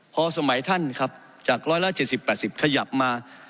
พอสมัยท่านครับจาก๑๗๐๘๐ขยับมา